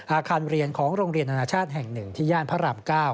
อาคารเรียนของโรงเรียนอนาชาติแห่ง๑ที่ย่านพระราม๙